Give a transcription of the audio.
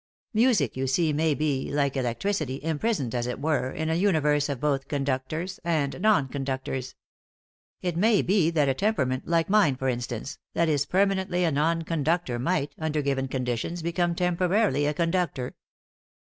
"Music, you see, may be, like electricity, imprisoned, as it were, in a universe of both conductors and non conductors. It may be that a temperament, like mine for instance, that is permanently a non conductor might, under given conditions become temporarily a conductor.